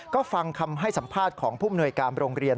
ก็ฟังคำให้สัมภาษณ์ของผู้มนวยการโรงเรียน